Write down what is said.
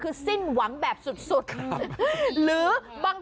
ใครออกแบบห้องน้ำวะ